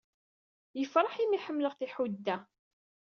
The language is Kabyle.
Yefreḥ imi ḥemmleɣ tiḥudedda.